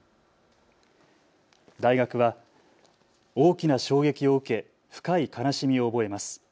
大学は大きな衝撃を受け深い悲しみを覚えます。